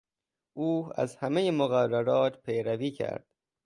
او از همهی مقررات پیروی کرد.